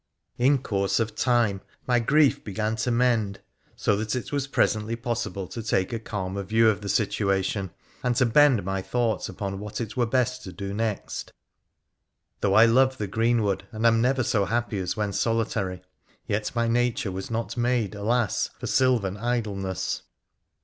In course of time my grief began to mend, so that it was presently possible to take a calmer view of the situation, and to bend my thoughts upon what it were best to do next. Though I love the greenwood, and am never so happy as when solitary, yet my nature was not made, alas ! for sylvan idle ness.